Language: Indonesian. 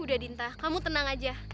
udah dintah kamu tenang aja